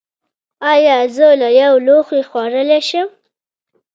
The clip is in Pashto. ایا زه له یو لوښي خوړلی شم؟